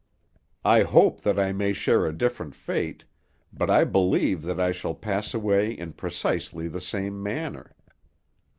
I hope that I may share a different fate, but I believe that I shall pass away in precisely the same manner.